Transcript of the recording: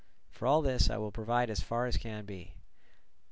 For all this I will provide as far as can be.